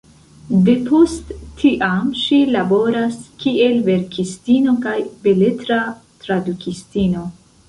Depost tiam ŝi laboras kiel verkistino kaj beletra tradukistino.